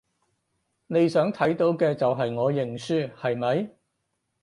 你想睇到嘅就係我認輸，係咪？